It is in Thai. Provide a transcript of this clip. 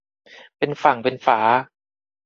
เป็นฝั่งเป็นฝา